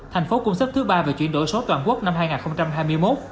thành phố cũng sắp thứ ba về chuyển đổi số toàn quốc năm hai nghìn hai mươi một